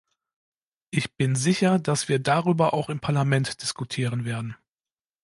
Ich bin sicher, dass wir darüber auch im Parlament diskutieren werden.